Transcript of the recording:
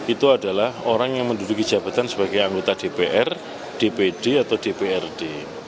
itu adalah orang yang menduduki jabatan sebagai anggota dpr dpd atau dprd